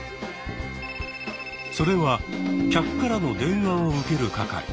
それは客からの電話を受ける係。